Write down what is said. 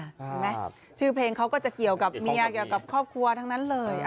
เห็นไหมชื่อเพลงเขาก็จะเกี่ยวกับเมียเกี่ยวกับครอบครัวทั้งนั้นเลย